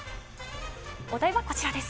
お題はこちらです。